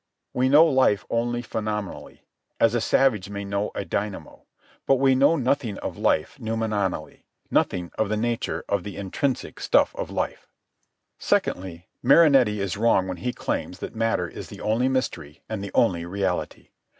We know life only phenomenally, as a savage may know a dynamo; but we know nothing of life noumenonally, nothing of the nature of the intrinsic stuff of life. Secondly, Marinetti is wrong when he claims that matter is the only mystery and the only reality.